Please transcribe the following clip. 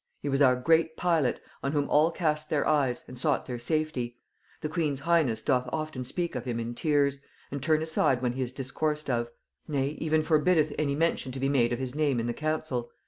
He was our great pilot, on whom all cast their eyes, and sought their safety. The queen's highness doth often speak of him in tears, and turn aside when he is discoursed of; nay, even forbiddeth any mention to be made of his name in the council.